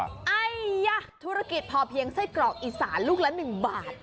ไอยะธุรกิจพอเพียงไส้กรอกอีสานลูกละ๑บาท